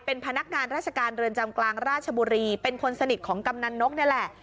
เป็นพนักงานราชการเรือนจำกลางราชบุรีเป็นคนสนิทของกำนันนกนี่แหละ